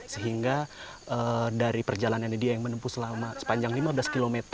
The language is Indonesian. sehingga dari perjalanan ini dia yang menempuh sepanjang lima belas km